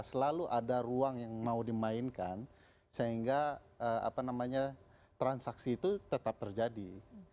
selalu ada ruang yang mau dimainkan sehingga transaksi itu tetap terjadi